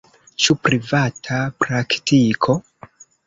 Ĉu privata praktiko?